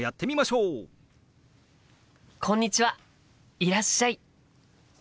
いらっしゃい。